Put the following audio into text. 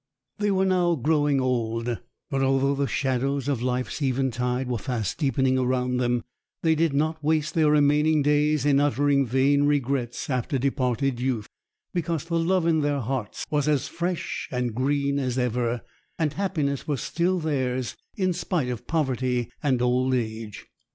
They were now growing old; but although the shadows of life's eventide were fast deepening around them, they did not waste their remaining days in uttering vain regrets after departed youth, because the love in their hearts was as fresh and green as ever, and happiness was still theirs, in spite of poverty and old age.